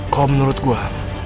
kalo menurut gue